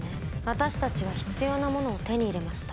私たちは必要なものを手に入れました。